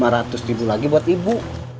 lima ratus ribu lagi buat ibu